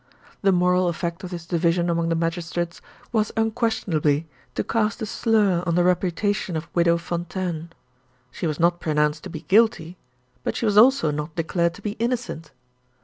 The moral effect of this division among the magistrates was unquestionably to cast a slur on the reputation of Widow Fontaine. She was not pronounced to be guilty but she was also not declared to be innocent.